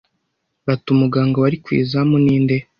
bati Umuganga wari ku izamu ninde